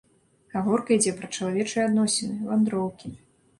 Гаворка ідзе пра чалавечыя адносіны, вандроўкі.